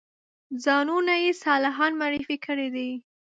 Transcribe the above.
ځانونه یې صالحان معرفي کړي دي.